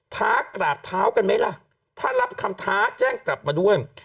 ท้ากราบเท้ากันไหมล่ะถ้ารับคำท้าแจ้งกลับมาด้วย